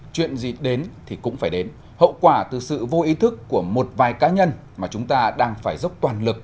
chuyện gì đến thì cũng phải đến hậu quả từ sự vô ý thức của một vài cá nhân mà chúng ta đang phải dốc toàn lực